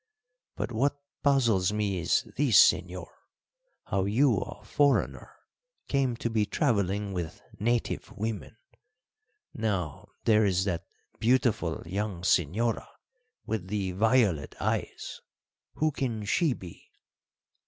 But what puzzles me is this, señor; how you, a foreigner, come to be travelling with native women. Now, there is that beautiful young señora with the violet eyes, who can she be?"